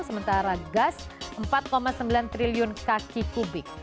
sementara gas empat sembilan triliun kaki kubik